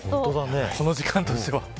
この時間として。